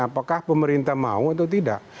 apakah pemerintah mau atau tidak